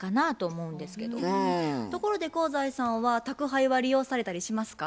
ところで香西さんは宅配は利用されたりしますか？